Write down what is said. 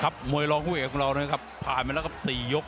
ครับมวยรองผู้เอกของเราเนี่ยครับผ่านไปแล้วกับสี่ยก